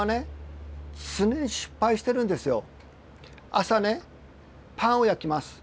朝ねパンを焼きます。